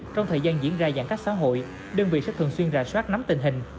trong thời gian diễn ra giãn cách xã hội đơn vị sẽ thường xuyên rà soát nắm tình hình